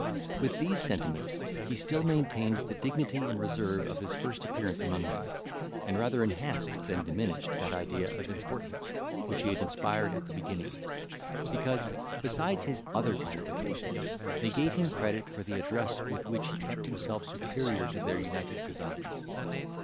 With these sentiments, he still maintained the dignity and reserve of his first appearance among them, and rather enhanced than diminished that idea of importance which he had inspired at the beginning; because, besides his other qualifications, they gave him credit for the address with which he kept himself superior to their united designs.